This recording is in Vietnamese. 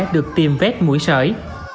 được tiêm vét mũi sởi